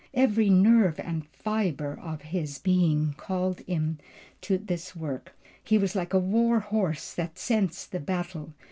Every nerve and fibre of his being called him to his work. He was like a war horse that scents the battle.